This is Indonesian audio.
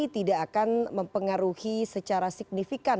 tidak akan mempengaruhi secara signifikan